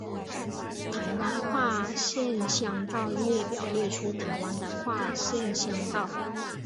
台湾跨县乡道列表列出台湾的跨县乡道。